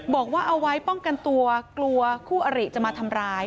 บอกว่าเอาไว้ป้องกันตัวกลัวกลัวคู่อริจะมาทำร้าย